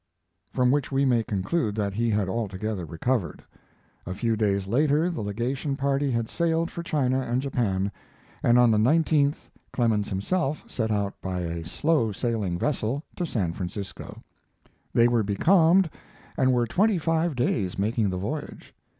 From which we may conclude that he had altogether recovered. A few days later the legation party had sailed for China and Japan, and on the 19th Clemens himself set out by a slow sailing vessel to San Francisco. They were becalmed and were twenty five days making the voyage.